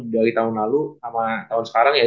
dari tahun lalu sama tahun sekarang ya